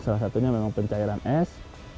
salah satunya memang pencairan es